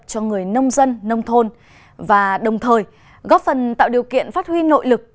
cho người nông dân nông thôn và đồng thời góp phần tạo điều kiện phát huy nội lực